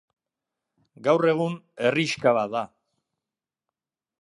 Gaur egun, herrixka bat da.